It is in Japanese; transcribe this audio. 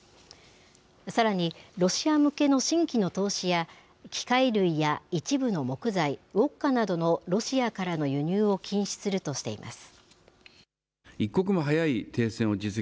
さらに、ロシア向けの新規の投資や、機械類や一部の木材、ウォッカなどのロシアからの輸入を禁止するとしています。